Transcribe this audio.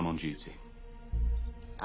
あ？